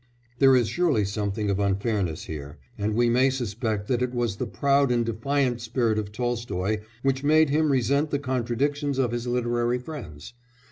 There is surely something of unfairness here, and we may suspect that it was the proud and defiant spirit of Tolstoy which made him resent the contradictions of his literary friends.